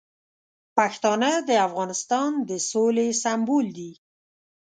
پښتانه د افغانستان د سولې سمبول دي.